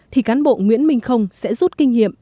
thì cán bộ nguyễn minh không sẽ rút kinh nghiệm